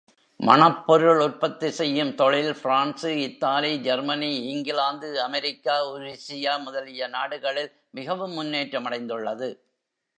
மணப்பொருள் உற்பத்தி செய்யும் தொழில், France, Italy, Germany, England, America, உருசியா முதலிய நாடுகளில் மிகவும் முன்னேற்றமடைந்துள்ளது.